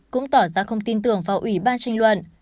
cũng tỏ ra không tin tưởng vào ủy ban tranh luận